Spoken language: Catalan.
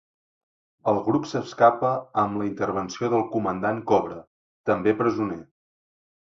El grup s'escapa amb la intervenció del Comandant Cobra, també presoner.